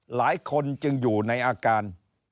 หลายคนจึงอยู่ในอาการ